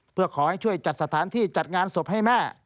เพื่อขอให้ช่วยจัดสถานที่จัดงานศพให้แม่